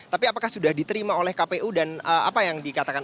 tapi apakah sudah diterima oleh kpu dan apa yang dikatakan